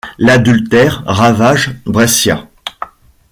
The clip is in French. L'adultère ravage Brescia.